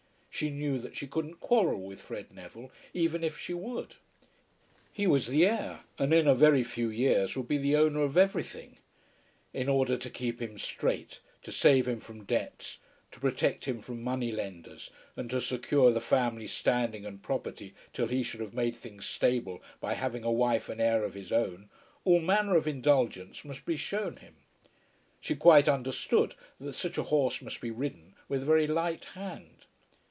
She knew that she couldn't quarrel with Fred Neville, even if she would. He was the heir, and in a very few years would be the owner of everything. In order to keep him straight, to save him from debts, to protect him from money lenders, and to secure the family standing and property till he should have made things stable by having a wife and heir of his own, all manner of indulgence must be shown him. She quite understood that such a horse must be ridden with a very light hand.